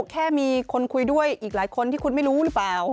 แค่มีคนคุยด้วยอีกหลายคนที่คุณไม่รู้หรือเปล่า